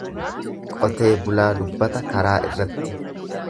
Qotee bulaa dubbata karaa irratti.